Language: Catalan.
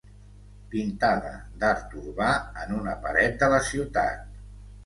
Pintada d'art urbà en una paret de la ciutat.